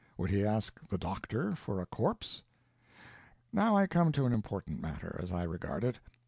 would he ask the doctor for a corpse? Now I come to an important matter as I regard it.